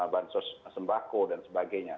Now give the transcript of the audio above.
bansos sembako dan sebagainya